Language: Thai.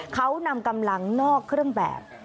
เขานำกำลังนอกเครื่องแบบ